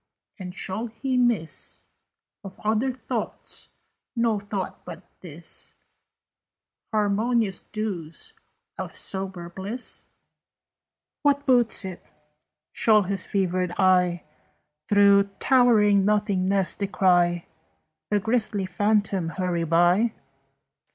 And shall he miss Of other thoughts no thought but this, Harmonious dews of sober bliss? "What boots it? Shall his fevered eye Through towering nothingness descry The grisly phantom hurry by?